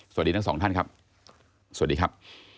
สวัสดีทั้งสองท่านครับสวัสดีครับ